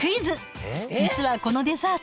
実はこのデザート